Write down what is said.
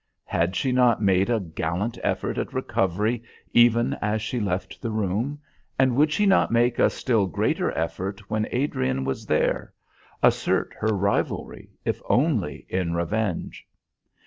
Had she not made a gallant effort at recovery even as she left the room, and would she not make a still greater effort while Adrian was there; assert her rivalry if only in revenge?